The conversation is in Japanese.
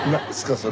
それ。